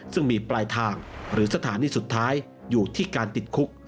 ซึ่งมีปลายทางหรือสถานีสุดท้ายอยู่ที่การติดคุก